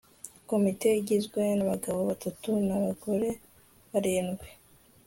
Komite igizwe nabagabo batatu nabagore barindwi